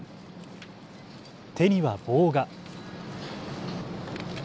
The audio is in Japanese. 手には棒が。